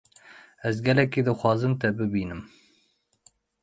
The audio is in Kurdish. Ez gelekî dixwazim te bibînim.